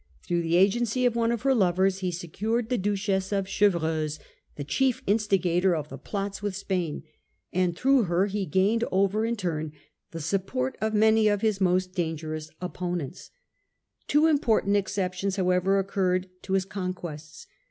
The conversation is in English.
Through the agency threaders ° ne k er ^ 0VerS secure( ^ the Duchess of the of Chevreuse, the chief instigator of the plots Fronde. w ith gp a i nj an d through her he gained over in turn the support of many of his most dangerous op ponents. Two important exceptions however occurred to his conquests.